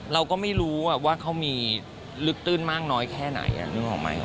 เราก็ไม่รู้ว่าเขามีลึกตื้นมากง้อยแค่ไหน